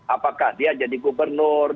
apakah dia jadi gubernur